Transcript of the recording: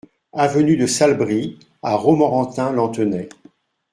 Avenue de Salbris à Romorantin-Lanthenay